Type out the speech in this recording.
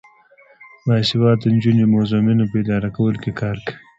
باسواده نجونې د موزیمونو په اداره کولو کې کار کوي.